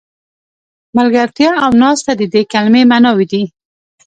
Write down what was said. ملګرتیا او ناسته د دې کلمې معناوې دي.